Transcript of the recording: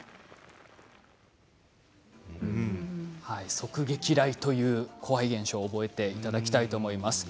側撃雷という怖い現象を覚えていただきたいと思います。